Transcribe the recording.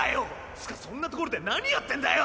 つかそんな所で何やってんだよ